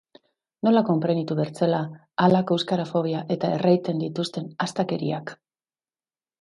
Nola konprenitu bertzela halako euskarafobia eta erraiten dituzten astakeriak?